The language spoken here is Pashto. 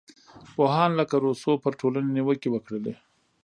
پوهان لکه روسو پر ټولنې نیوکې وکړې.